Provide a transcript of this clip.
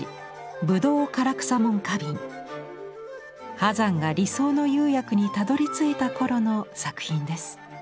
波山が理想の釉薬にたどりついた頃の作品です。